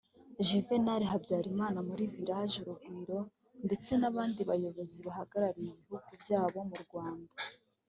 Juvénal Habyarimana muri « Village Urugwiro » ndetse n’abandi bayobozi bahagarariye ibihugu byabo mu Rwanda